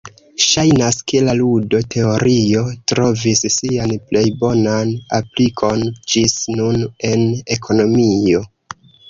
Ŝajnas ke la ludo-teorio trovis sian plej bonan aplikon ĝis nun en ekonomio.